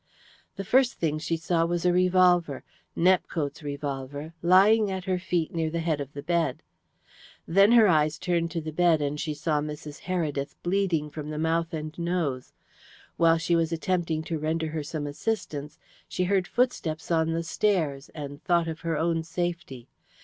The first thing she saw was a revolver Nepcote's revolver lying at her feet near the head of the bed. Then her eyes turned to the bed, and she saw Mrs. Heredith, bleeding from the mouth and nose. While she was attempting to render her some assistance she heard footsteps on the stairs, and thought of her own safety.